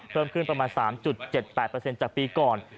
เพิ่มขึ้นประมาณ๓๗๘จากปีก่อน